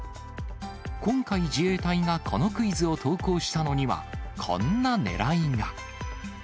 今回、自衛隊がこのクイズを投稿したのには、こんなねらいが。